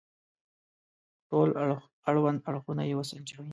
ټول اړوند اړخونه يې وسنجوي.